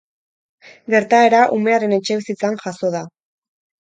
Gertaera umearen etxebizitzan jazo da.